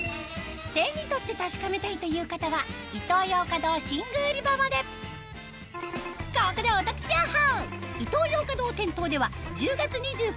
手に取って確かめたいという方はここでお得情報！